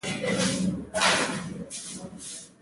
بڼوال، باغوانان، بینډۍ، کدو، بانجان او رومیان ښار ته وړل.